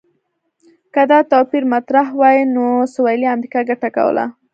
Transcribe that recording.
که دا توپیر مطرح وای، نو سویلي امریکا ګټه کوله.